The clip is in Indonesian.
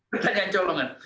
pertanyaan colongan nih